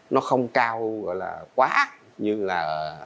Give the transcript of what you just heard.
nó không cao quá như là